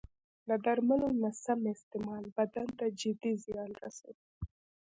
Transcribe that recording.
د درملو نه سم استعمال بدن ته جدي زیان رسوي.